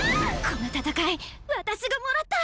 この戦い私がもらった！